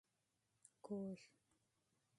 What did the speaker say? کوږ